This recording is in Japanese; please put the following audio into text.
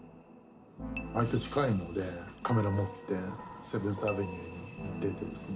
割と近いのでカメラ持ってセブンスアベニューに出てですね